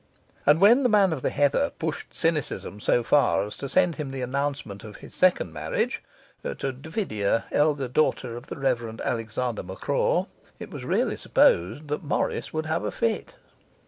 And when the man of the heather pushed cynicism so far as to send him the announcement of his second marriage (to Davida, eldest daughter of the Revd. Alexander McCraw), it was really supposed that Morris would have had a fit.